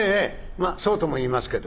まぁそうとも言いますけど」。